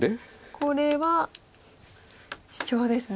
これはシチョウですね。